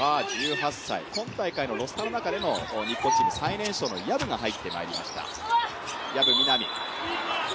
今大会のロースターの中での日本チーム最年少薮が入ってまいりました薮未奈海。